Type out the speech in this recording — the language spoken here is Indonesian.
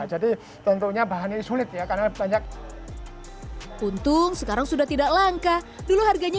jadi tentunya bahannya sulit ya karena banyak untung sekarang sudah tidak langka dulu harganya